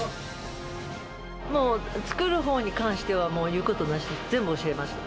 もう、作るほうに関しては、もう言うことなし、全部教えました。